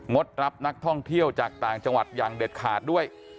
ดรับนักท่องเที่ยวจากต่างจังหวัดอย่างเด็ดขาดด้วย